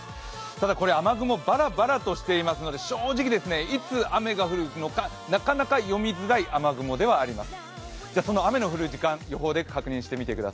ただ、雨雲はバラバラとしていますので、正直、いつ雨が降るのかなかなか読みづらい雨雲ではあります。